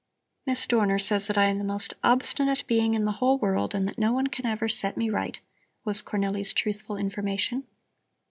"Miss Dorner says that I am the most obstinate being in the whole world, and that no one can ever set me right," was Cornelli's truthful information.